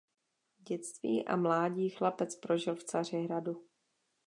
Dětství a mládí chlapec prožil v Cařihradu.